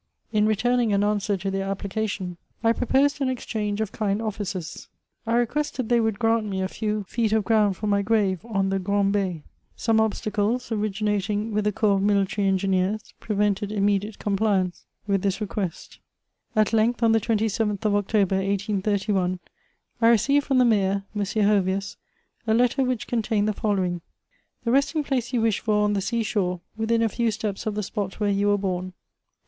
In returning an answer to their application, I proposed an exchange of kind offices. I requested they would grant me a few feet of ground for my grave on the Grand'Be.* Some obstacles, originating with the corps of military engineers, prevented immediate compliance with diis request. At length, on the 27th of Oct., 1831, I received from the Mayor, M. Hovius, a letter which' contained the following :—" The resting place you wish for on the sea shore, within a few steps of the spot where you were bom, will be * An islet in the roadstead of St. Malo.